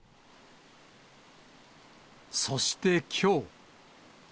そしてきょう。